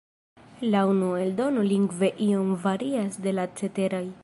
La unua eldono lingve iom varias de la ceteraj.